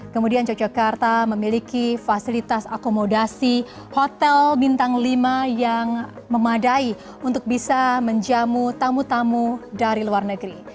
kemudian yogyakarta memiliki fasilitas akomodasi hotel bintang lima yang memadai untuk bisa menjamu tamu tamu dari luar negeri